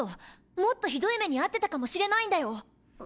もっと酷い目に遭ってたかもしれないんだよ！